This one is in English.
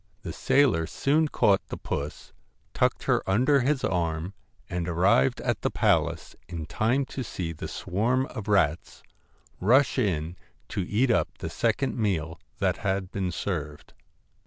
The sailor soon caught the puss, tucked her under his arm, and arrived at the palace in time to see the swarm of rats rush in to eat up the second meal that had been served.